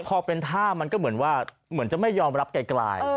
พอเป็นถ้ามันก็เหมือนว่าจะไม่ยอมรับกลาย